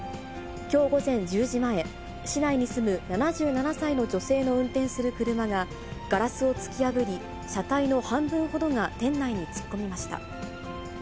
きょう午前１０時前、市内に住む７７歳の女性の運転する車がガラスを突き破り、車体の半分ほどが店内に突っ込みました。